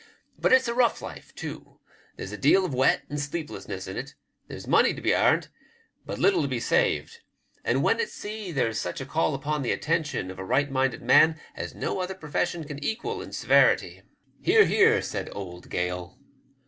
But it's a rough life too ; there's a deal of wet and sleeplessness in it, there's money to be aimed, but little to be saved, and when at sea there's such a call upon the attention of a right minded man as no other profession can equal iu severity." 176 WEEVIVS LECTURE. Hear ! hear !" said old Gale.